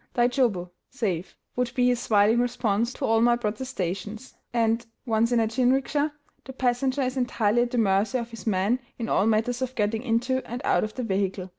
"Dai jobu" (safe) would be his smiling response to all my protestations; and, once in a jinrikisha, the passenger is entirely at the mercy of his man in all matters of getting into and out of the vehicle.